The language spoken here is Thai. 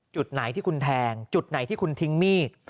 จุดไหนที่คุณแทงจุดไหนที่คุณทิ้งมีด